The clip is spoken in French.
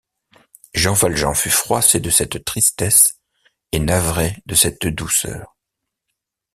Jean Valjean fut froissé de cette tristesse et navré de cette douceur.